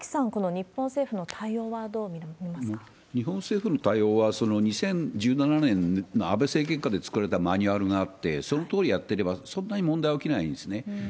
日本政府の対応は、２０１７年の安倍政権下で作られたマニュアルがあって、そのとおりやってれば、そんなに問題は起きないんですね。